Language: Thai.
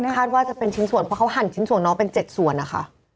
คาดว่าจะเป็นชิ้นส่วนเพราะเขาหั่นชิ้นส่วนน้องเป็น๗ส่วนนะคะ